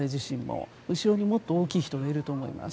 後ろにもっと大きい人がいると思います。